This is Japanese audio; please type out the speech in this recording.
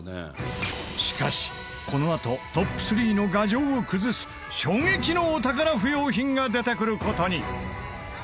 しかしこのあとトップ３の牙城を崩す衝撃のお宝不要品が出てくる事に！